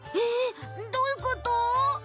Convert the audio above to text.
えどういうこと？